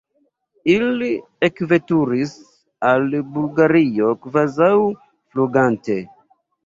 Ili ekveturis al Bulgario kvazaŭ flugante.